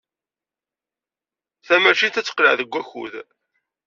Tamacint ad teqleɛ deg wakud?